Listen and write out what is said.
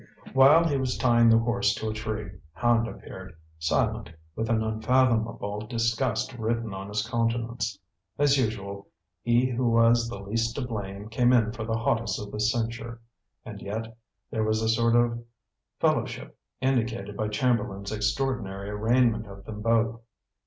While he was tying the horse to a tree, Hand appeared, silent, with an unfathomable disgust written on his countenance. As usual, he who was the least to blame came in for the hottest of the censure; and yet, there was a sort of fellowship indicated by Chamberlain's extraordinary arraignment of them both.